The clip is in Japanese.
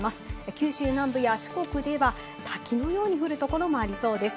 九州南部や四国では滝のように降るところもありそうです。